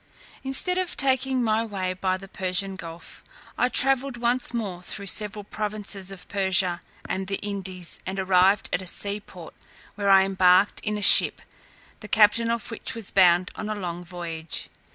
Instead of taking my way by the Persian gulf, I travelled once more through several provinces of Persia and the Indies, and arrived at a sea port, where I embarked in a ship, the captain of which was bound on a long voyage.